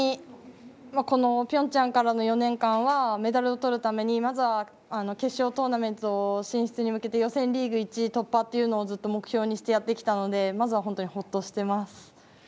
ピョンチャンからの４年間はまずは決勝トーナメント進出に向けて予選リーグ１位突破というのをずっと目標にしてやってきたのでまずは本当にほっとしています。